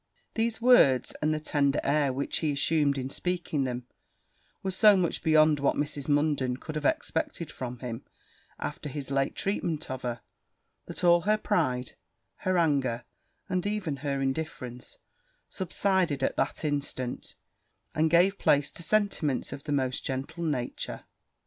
These words, and the tender air which he assumed in speaking them, were so much beyond what Mrs. Munden could have expected from him, after his late treatment of her, that all her pride, her anger, and even her indifference, subsided at that instant, and gave place to sentiments of the most gentle nature.